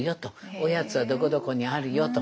おやつはどこどこにあるよと。